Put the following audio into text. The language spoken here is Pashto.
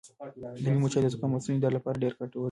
د لیمو چای د زکام او ستوني درد لپاره ډېر ګټور دی.